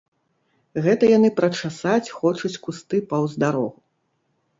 Гэта яны прачасаць хочуць кусты паўз дарогу.